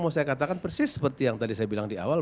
mau saya katakan persis seperti yang tadi saya bilang di awal